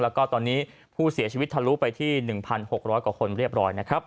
แล้วก็ตอนนี้ผู้เสียชีวิตทะลุไปที่๑๖๐๐กว่าคนเรียบร้อยนะครับ